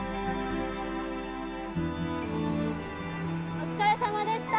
お疲れさまでした！